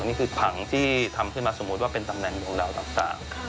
นี่คือผังที่ทำขึ้นมาสมมุติว่าเป็นตำแหน่งของเราต่าง